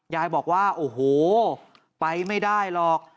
ยายบอกว่าโอ้โหไปไม่ได้หรอก